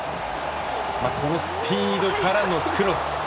このスピードからのクロス。